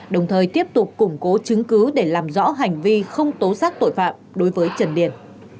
đồng thời tiếp tục củng cố chứng cứ để làm rõ hành vi không tố xác tội phạm đối với trần điền